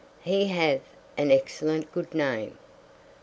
"He hath an excellent good name."